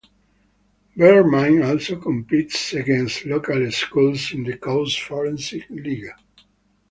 Bellarmine also competes against local schools in the Coast Forensic League.